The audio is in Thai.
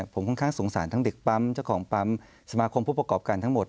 ผมค่อนข้างสงสารทั้งเด็กปั๊มเจ้าของปั๊มสมาคมผู้ประกอบการทั้งหมด